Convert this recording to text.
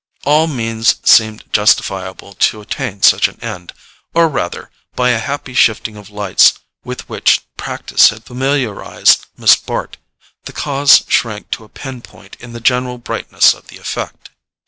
All means seemed justifiable to attain such an end, or rather, by a happy shifting of lights with which practice had familiarized Miss Bart, the cause shrank to a pin point in the general brightness of the effect.